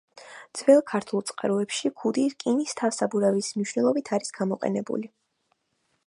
ძველ ქართულ წყაროებში ქუდი რკინის თავსაბურავის მნიშვნელობით არის ნახმარი.